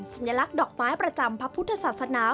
สัญลักษณ์ดอกไม้ประจำพระพุทธศาสนา